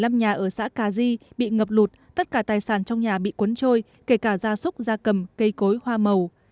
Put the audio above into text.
hai trăm một mươi năm nhà ở xã cà di bị ngập lụt tất cả tài sản trong nhà bị cuốn trôi kể cả da súc da cầm cây cối hoa màu